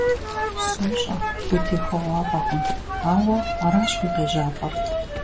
СощӀэ, гутехуэгъуафӀэкъым, ауэ аращ уи къежьапӀэр.